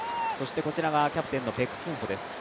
こちらがキャプテンのペク・スンホです。